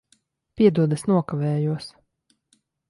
Piedod, es nokavējos.